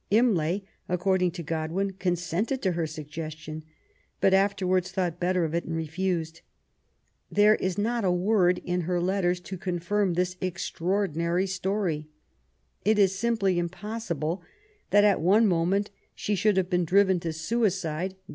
Imlay, according to Godwin, consented to her su^es tiou, but afterwards thought better of it and refused. There is not a word in her letters to confirm this ex traordinary story. It is simply impossible that at one moment she should have been driven to suicide by IMLAT8 BE8EETI0N.